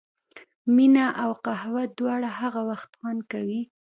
مینه او قهوه دواړه هغه وخت خوند کوي.